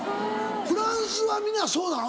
フランスは皆そうなの？